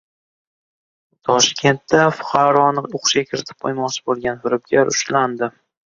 Toshkentda fuqaroni o‘qishga kiritib qo‘ymoqchi bo‘lgan firibgar ushlandi